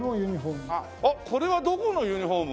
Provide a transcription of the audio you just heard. これはどこのユニホーム？